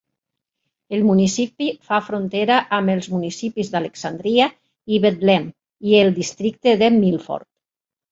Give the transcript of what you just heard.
El municipi fa frontera amb els municipis de Alexandria i Bethlehem, i el districte de Milford.